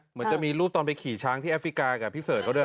เหมือนจะมีรูปตอนไปขี่ช้างที่แอฟริกากับพี่เสิร์ชเขาด้วย